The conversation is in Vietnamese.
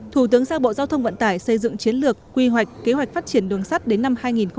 thủ tướng giao bộ giao thông vận tải xây dựng chiến lược quy hoạch kế hoạch phát triển đường sắt đến năm hai nghìn ba mươi